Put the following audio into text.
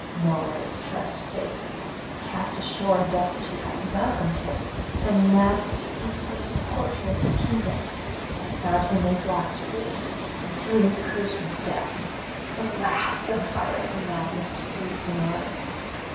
Nowhere is trust safe. Cast ashore and destitute I welcomed him, and madly gave him place and portion in my kingdom; I found him his lost fleet and drew his crews from death. Alas, the fire of madness speeds me on.